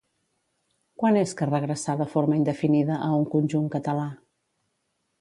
Quan és que regressà de forma indefinida a un conjunt català?